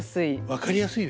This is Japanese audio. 分かりやすいですね。